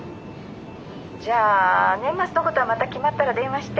じゃあ年末のことはまた決まったら電話して。